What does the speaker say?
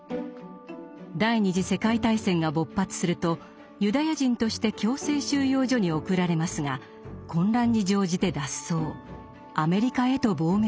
第二次世界大戦が勃発するとユダヤ人として強制収容所に送られますが混乱に乗じて脱走。